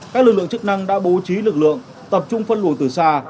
các lực lượng chức năng đã bố trí lực lượng tập trung phân luồng từ xa